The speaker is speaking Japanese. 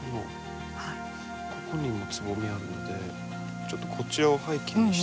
ここにもつぼみあるのでちょっとこちらを背景にして。